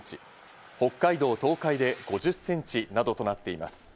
北海道、東海で５０ｃｍなどとなっています。